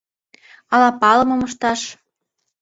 Ала палымым ышташ?